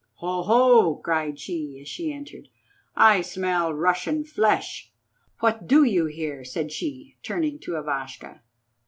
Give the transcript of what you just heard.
"Ho, ho!" cried she, as she entered, "I smell Russian flesh. What do you here?" said she, turning to Ivashka.